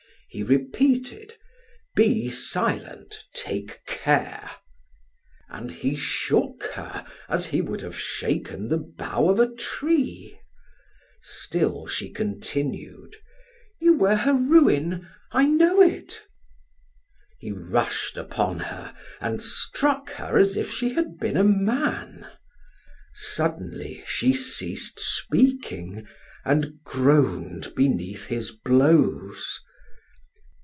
He repeated: "Be silent take care" and he shook her as he would have shaken the bough of a tree. Still she continued; "You were her ruin, I know it." He rushed upon her and struck her as if she had been a man. Suddenly she ceased speaking, and groaned beneath his blows.